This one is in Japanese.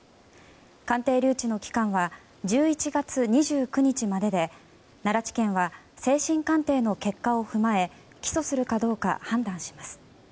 鑑定留置の期間は１１月２９日までで奈良地検は精神鑑定の結果を踏まえ起訴するかどうか判断します。